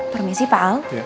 permisi pak al